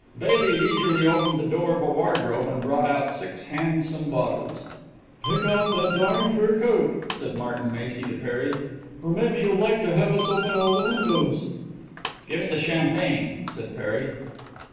Baily leisurely opened the door of a wardrobe and brought out six handsome bottles. "Take off that darn fur coat!" said Martin Macy to Perry. "Or maybe you'd like to have us open all the windows." "Give me champagne," said Perry.